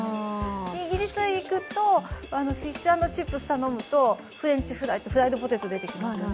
イギリスに行くと、フィッシュ＆チップス頼むと、フレンチフライとフライドポテトが出てきますね。